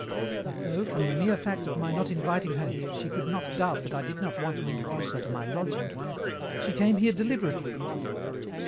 And though, from the mere fact of my not inviting her here, she could not doubt that I did not want to introduce her to my lodging, she came here deliberately.